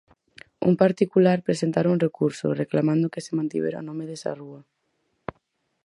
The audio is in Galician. Un particular presentara un recurso, reclamando que se mantivera o nome desa rúa.